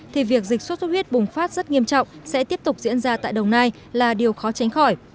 thì việc dịch sốt xuất huyết bùng phát rất nghiêm trọng sẽ tiếp tục diễn ra tại đồng nai là điều khó tránh khỏi